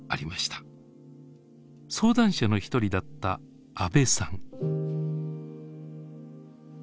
相談者の一人だった阿部さん。